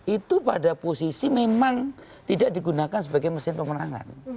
itu pada posisi memang tidak digunakan sebagai mesin pemenangan